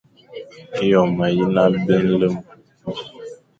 Eyon mayen abé nlem.